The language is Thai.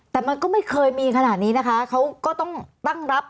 แต่มันก็ไม่เคยมีขนาดนี้นะคะเขาก็ต้องตั้งรับ